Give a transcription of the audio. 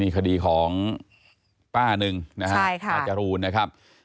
นี่คดีของป้านึงป้าจรูนนะครับ